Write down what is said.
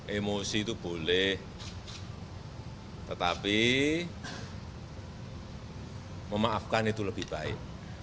emosi itu boleh tetapi memaafkan itu lebih baik